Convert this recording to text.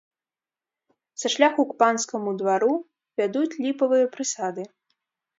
Са шляху к панскаму двару вядуць ліпавыя прысады.